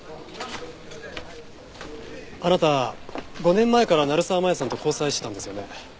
あなた５年前から成沢真弥さんと交際してたんですよね。